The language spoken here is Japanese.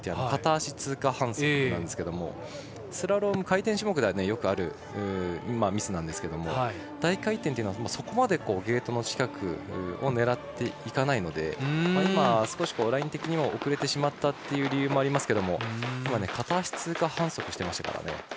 片足通過反則なんですけどスラローム、回転種目ではよくあるミスなんですが大回転というのはそこまでゲートの近くを狙っていかないので今、少しライン的にも遅れてしまったという理由もありますけど今、片足通過反則していました。